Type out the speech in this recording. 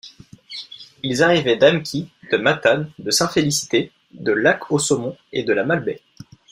Ils arrivaient d'Amqui, de Matane, de Sainte-Félicité, de Lac-au-Saumon et de La Malbaie.